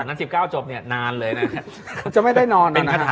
เล็กเล็กเล็กเล็กเล็กเล็ก